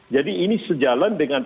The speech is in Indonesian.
jadi ini sejalan dengan